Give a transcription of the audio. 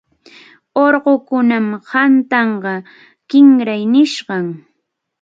Urqukunap qhatanqa kinray nisqam.